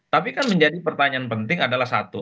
tapi kan menjadi pertanyaan penting adalah satu